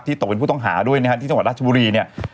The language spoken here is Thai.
ตกเป็นผู้ต้องหาด้วยนะฮะที่จังหวัดราชบุรีเนี่ย